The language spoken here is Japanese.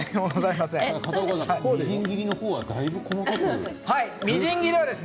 みじん切りはだいぶ細かく。